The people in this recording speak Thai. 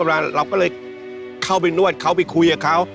เราก็เลยเข้าไปนวดเขาไปคุยกับเขา